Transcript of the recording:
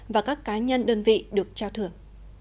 và các cá nhân đơn vị được trao thưởng